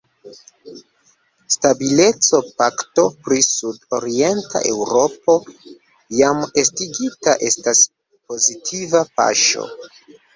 Stabileco-pakto pri sud-orienta Eŭropo, jam estigita, estas pozitiva paŝo.